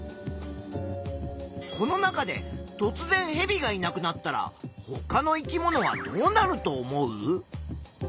この中でとつぜんヘビがいなくなったらほかの生き物はどうなると思う？